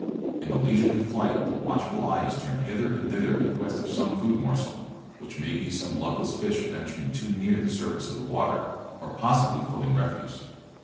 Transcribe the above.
In the leisurely flight the watchful eye is turned hither and thither in quest of some food morsel, which may be some luckless fish venturing too near the surface of the water, or possibly floating refuse.